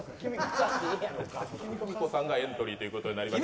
きみ子さんがエントリーということになりました。